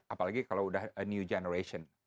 apalagi kalau udah a new generation